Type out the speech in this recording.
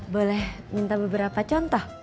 boleh minta beberapa contoh